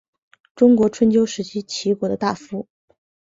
中国春秋时期齐国的大夫。